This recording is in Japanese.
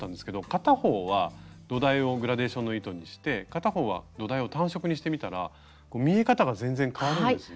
片方は土台をグラデーションの糸にして片方は土台を単色にしてみたら見え方が全然変わるんですね。